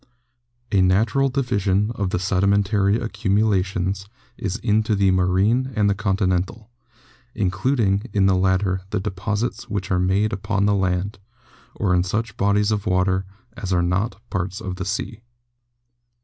A natu ral division of the sedimentary accumulations is into the marine and the continental, including in the latter the deposits which are made upon the land, or in such bodies of water as are not parts of the sea.